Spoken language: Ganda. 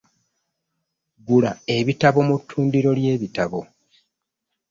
Gula ebitabo mu ttudiro lyebitabo.